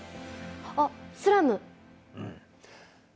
あっスラム？